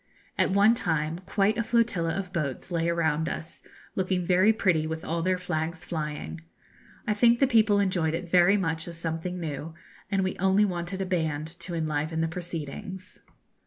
At one time quite a flotilla of boats lay around us, looking very pretty with all their flags flying. I think the people enjoyed it very much as something new, and we only wanted a band to enliven the proceedings.